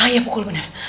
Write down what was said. iya pukul bener